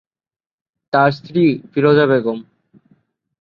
তার স্ত্রী ফিরোজা বেগম।